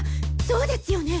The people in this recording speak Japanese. そうですよね。